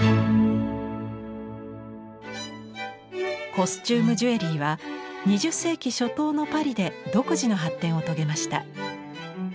コスチュームジュエリーは２０世紀初頭のパリで独自の発展を遂げました。